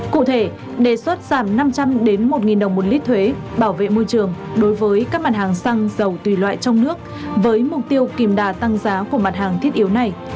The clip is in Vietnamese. cụ thể đề xuất giảm năm trăm linh một đồng một lít thuế bảo vệ môi trường đối với các mặt hàng xăng dầu tùy loại trong nước với mục tiêu kìm đà tăng giá của mặt hàng thiết yếu này